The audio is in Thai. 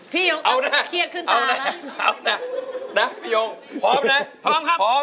พี่ยิ่งต้องเครียดขึ้นตาแล้วเอานะพี่ยิ่งพร้อมไหมพร้อมครับ